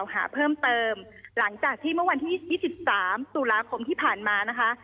หาเพิ่มเติมหลังจากที่เมื่อวันที่๒๓ตุลาคมที่ผ่านมานะคะ